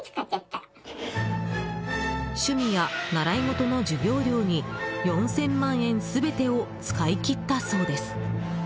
趣味や習い事の授業料に４０００万円全てを使いきったそうです。